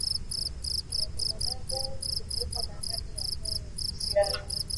ya binadamu kilimo na hali ya hewaUhusiano